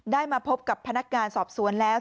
มาพบกับพนักงานสอบสวนแล้ว